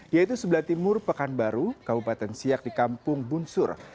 yaitu sebelah timur pekanbaru kabupaten siak di kampung bunsur